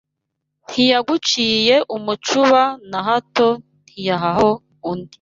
Ntiyaguciye umucuba na hato Ntiyahaho undi